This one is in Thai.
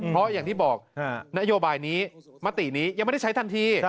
เพราะอย่างที่บอกนโยบายนี้มตินี้ยังไม่ได้ใช้ทันที